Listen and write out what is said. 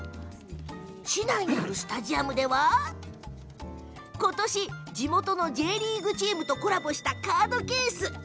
市内にあるスタジアムでは今年、地元のＪリーグチームとコラボしたカードケース。